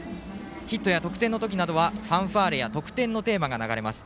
ヒットや得点の時などはファンファーレや得点のテーマが流れます。